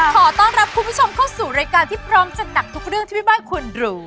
ขอต้อนรับคุณผู้ชมเข้าสู่รายการที่พร้อมจัดหนักทุกเรื่องที่แม่บ้านควรรู้